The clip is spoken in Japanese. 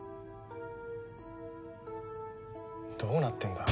どうなってんだ？